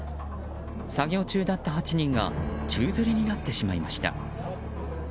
作業中だった８人が宙づりになってしまいました。